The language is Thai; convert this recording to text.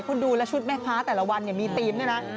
คุณดูแล้วชุดแม่ค้าแต่ละวันมีธีมด้วยนะ